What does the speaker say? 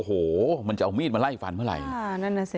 โอ้โหมันจะเอามีดมาไล่ฟันเมื่อไหร่